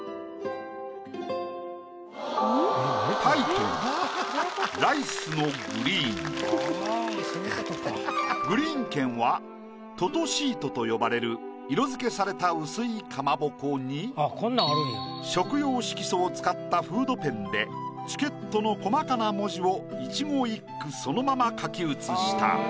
タイトルグリーン券は「ととしーと」と呼ばれる色付けされた薄いかまぼこに食用色素を使った「フードペン」でチケットの細かな文字を一語一句そのまま描き写した。